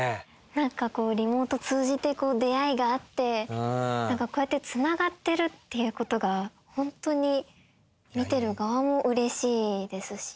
何かこうリモート通じて出会いがあって何かこうやってつながってるっていうことが本当に見てる側もうれしいですし。